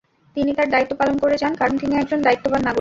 তিনি তাঁর দায়িত্ব পালন করে যান, কারণ তিনি একজন দায়িত্ববান নাগরিক।